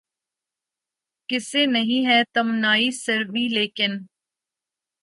کسے نہیں ہے تمنائے سروری ، لیکن